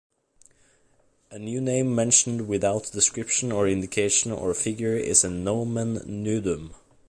A new name mentioned without description or indication or figure is a "nomen nudum".